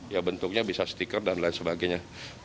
ya bentuknya bisa stiker dan lain sebagainya